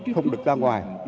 không được ra ngoài